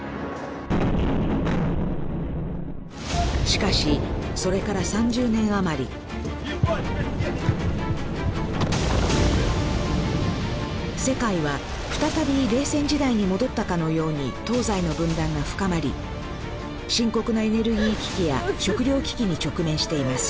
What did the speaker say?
しかしそれから３０年余り世界は再び冷戦時代に戻ったかのように東西の分断が深まり深刻なエネルギー危機や食糧危機に直面しています